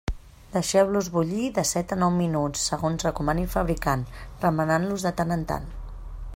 Deixeu-los bullir de set a nou minuts, segons recomani el fabricant, remenant-los de tant en tant.